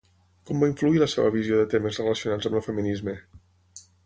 Com va influir la seva visió de temes relacionats amb el feminisme?